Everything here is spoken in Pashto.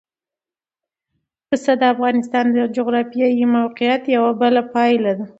پسه د افغانستان د جغرافیایي موقیعت یوه پایله ده.